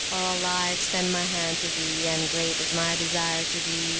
O Allah, I extend my Hand to Thee, and great is my Desire to Thee!